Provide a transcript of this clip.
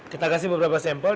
kita memberikan beberapa sampel